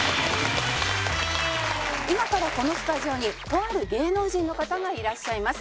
今からこのスタジオにとある芸能人の方がいらっしゃいます。